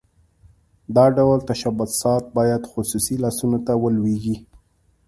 دا ډول تشبثات باید خصوصي لاسونو ته ولویږي.